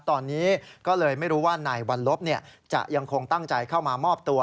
ตอนนี้ก็เลยไม่รู้ว่านายวัลลบจะยังคงตั้งใจเข้ามามอบตัว